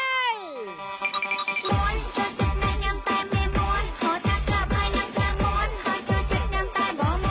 ม้วนเจอจุดไม่งั้มแต่ไม่ม้วนขอจะกลับให้น้ำแพร่ม้วน